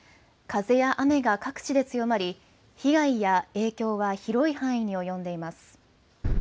風や雨が各地で強まり、被害や影響は広い範囲に及んでいます。